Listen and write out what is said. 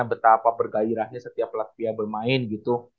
betapa bergairahnya setiap lapia bermain gitu